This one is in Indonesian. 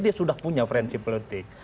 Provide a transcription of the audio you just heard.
dia sudah punya forensik politik